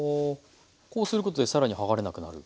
こうすることで更にはがれなくなる。